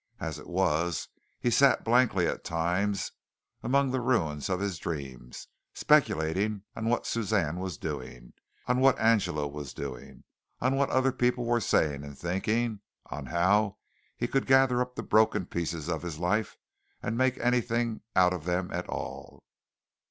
As it was, he sat blankly at times among the ruins of his dreams speculating on what Suzanne was doing, on what Angela was doing, on what people were saying and thinking, on how he could gather up the broken pieces of his life and make anything out of them at all.